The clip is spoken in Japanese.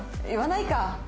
言わないか。